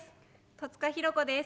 戸塚寛子です。